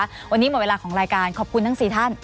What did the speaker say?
วันนี้หมดเวลาของรายการขอบคุณทั้ง๔ท่าน